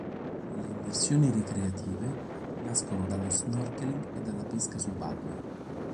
Le immersioni ricreative nascono dallo snorkeling e dalla pesca subacquea.